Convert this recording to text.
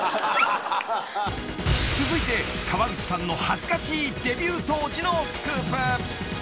［続いて川口さんの恥ずかしいデビュー当時のスクープ］